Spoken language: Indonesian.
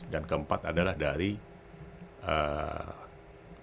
dan keempat adalah dari pertanian